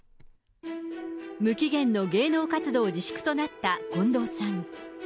無期限の芸能活動自粛となった近藤さん。